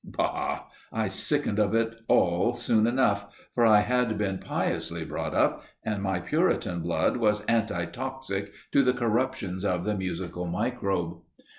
Bah! I sickened of it all soon enough, for I had been piously brought up, and my Puritan blood was anti toxic to the corruptions of the musical microbe.